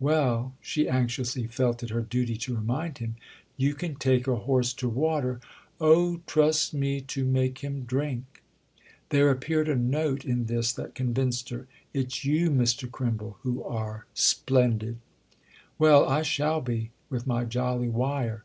"Well," she anxiously felt it her duty to remind him, "you can take a horse to water——!" "Oh, trust me to make him drink!" There appeared a note in this that convinced her. "It's you, Mr. Crimble, who are 'splendid'!" "Well, I shall be—with my jolly wire!"